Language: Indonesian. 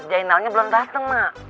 kepala kinerja belum dateng